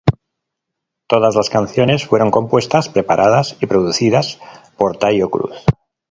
Todas las canciones fueron compuestas, preparadas y producidas por Taio Cruz.